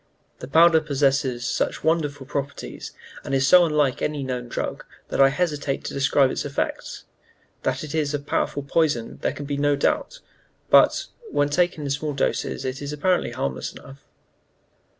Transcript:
The powder possesses such wonderful properties, and is so unlike any known drug, that I hesitate to describe its effects. That it is a powerful poison there can be no doubt, but when taken in small doses it is apparently harmless enough."